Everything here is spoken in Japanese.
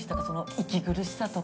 息苦しさとか。